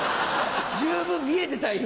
十分見えてたよ